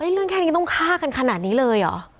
เรื่องแค่นี้ต้องฆ่ากันขนาดนี้เลยเหรอ